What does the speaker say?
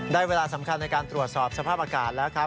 เวลาสำคัญในการตรวจสอบสภาพอากาศแล้วครับ